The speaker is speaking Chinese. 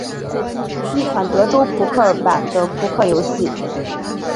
一款德州扑克版的扑克游戏。